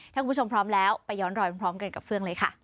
ถ้าคุณผู้ชมพร้อมแล้วไปย้อนรอยพร้อมกันกับเฟื่องเลยค่ะ